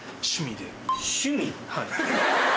はい。